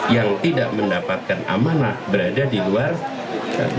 yang tidak mendapatkan amanah berada di luar kabinet